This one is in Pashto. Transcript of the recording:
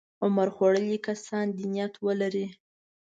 عمر خوړلي کسان دې نیت ولري.